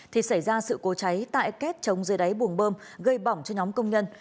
thì xảy ra sự cố cháy tại kết trống dưới đáy buồng bơm gây bỏng cho nhóm công nhân